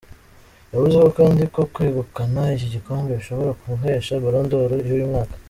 Yavuze kandi ko kwegukana iki gikombe bishobora kumuhesha Ballon d’Or y’uyu mwaka.